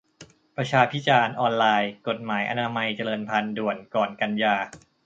ประชาพิจารณ์ออนไลน์ - กฎหมายอนามัยเจริญพันธุ์ ด่วน ก่อนกันยา